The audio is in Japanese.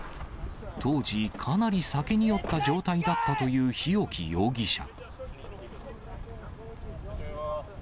当時、かなり酒に酔った状態だったという日置容疑者。